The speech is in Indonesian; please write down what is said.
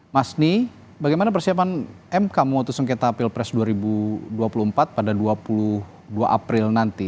mas ni bagaimana persiapan mk memutus sengketa pilpres dua ribu dua puluh empat pada dua puluh dua april nanti